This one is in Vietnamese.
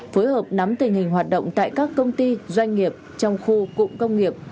phối hợp nắm tình hình hoạt động tại các công ty doanh nghiệp trong khu cụm công nghiệp